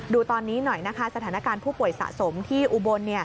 ดูตอนนี้หน่อยนะคะสถานการณ์ผู้ป่วยสะสมที่อุบล